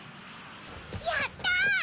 やった！